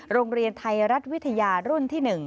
โรงเรียนไทยรัฐวิทยารุ่นที่๑